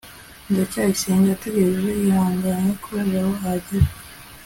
ndacyayisenga yategereje yihanganye ko jabo ahagera